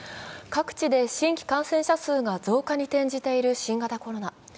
各地で新規感染者数が増加に転じている新型コロナ。